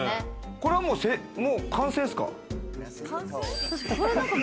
これはもう完成ですか？